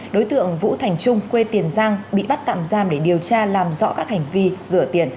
đối tượng vũ thành trung quê tiền giang bị bắt tạm giam để điều tra làm rõ các hành vi rửa tiền